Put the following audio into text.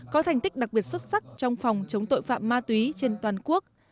có thành tích đặc biệt xuất sắc trong phòng chống tội phạm ma túy trên toàn quốc